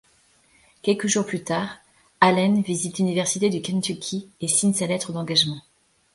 Quelques jours plus tard, allen visite l'université du kentucky et signe sa lettre d'engagement.